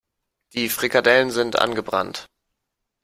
Die Frikadellen sind angebrannt.